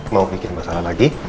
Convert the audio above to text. mau bikin masalah lagi